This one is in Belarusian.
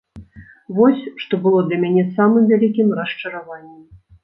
Вось, што было для мяне самым вялікім расчараваннем.